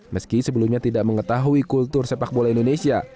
meski sebelumnya tidak mengetahui kultur sepak bola indonesia